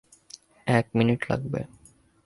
এক মিনিট লাগবে।